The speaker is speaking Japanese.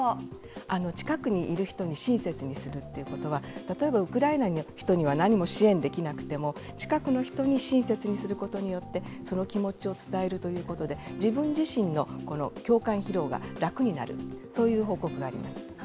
近くにいる人に親切にするっていうことは、例えば、ウクライナの人には何も支援できなくても、近くの人に親切にすることによって、その気持ちを伝えるということで、自分自身のこの共感疲労が楽になる、そういう報告がありま